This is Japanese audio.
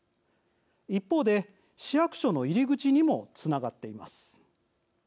一方で、市役所の入り口にもつながっています。